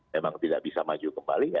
memang tidak bisa maju kembali